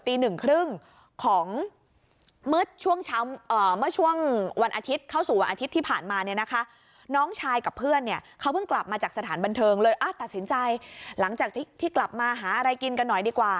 ตัดสินใจหลังจากที่กลับมาหาอะไรกินกันหน่อยดีกว่า